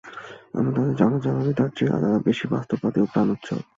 আমরা তাদের যা ভাবি, তার চেয়েও তারা বেশি বাস্তববাদী ও প্রাণোচ্ছল।